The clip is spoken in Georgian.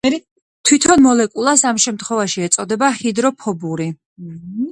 თვითონ მოლეკულას ამ შემთხვევაში ეწოდება ჰიდროფობური.